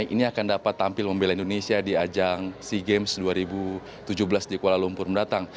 ini akan dapat tampil membela indonesia di ajang sea games dua ribu tujuh belas di kuala lumpur mendatang